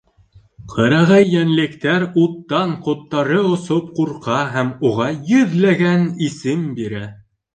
Ҡырағай йәнлектәр уттан ҡоттары осоп ҡурҡа һәм уға йөҙләгән исем бирә.